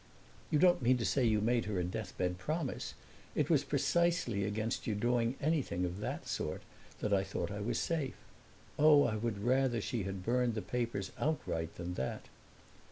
"You don't mean to say you made her a deathbed promise? It was precisely against your doing anything of that sort that I thought I was safe. Oh, I would rather she had burned the papers outright than that!"